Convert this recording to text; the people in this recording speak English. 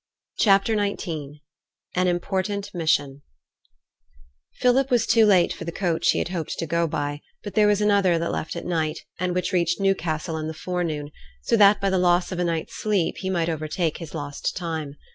CHAPTER XIX AN IMPORTANT MISSION Philip was too late for the coach he had hoped to go by, but there was another that left at night, and which reached Newcastle in the forenoon, so that, by the loss of a night's sleep, he might overtake his lost time.